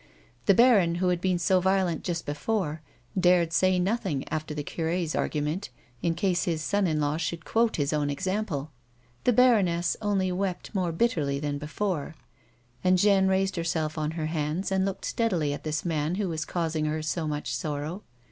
The baron, who had been so violent just before, dared say nothing after the cure's argument, in case his son in law should quote his own example ; the baroness only wept more bitterly than before, and Jeaniie raised herself on her hands and looked steadily at this man who was causing her so much sorrow.